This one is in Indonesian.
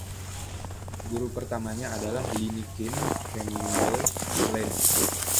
Guru pertamanya adalah Linnie Keen Campbell Lane.